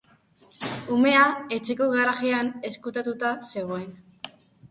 Umea etxeko garajean ezkutatuta zegoen.